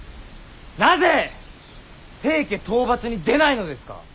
なぜ平家討伐に出ないのですか。